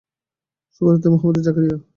শুভ রাত্রি মহামতি জাকারিয়া।